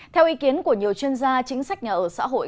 theo ý kiến của nhiều chuyên gia chính sách nhà ở xã hội